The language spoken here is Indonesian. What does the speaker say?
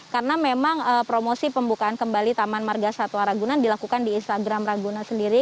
karena memang promosi pembukaan kembali taman marga satwa ragunan dilakukan di instagram ragunan sendiri